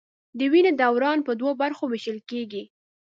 د وینې دوران په دوو برخو ویشل کېږي.